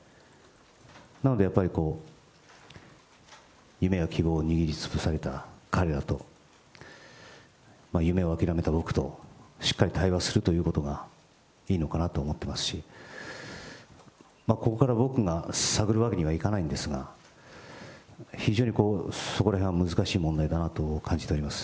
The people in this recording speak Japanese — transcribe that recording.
なのでやっぱり、こう、夢や希望を握りつぶされた彼らと夢を諦めた僕と、しっかり対話するということがいいのかなと思っていますし、ここから僕が探るわけにはいかないんですが、非常にそこらへんは難しい問題だなと感じております。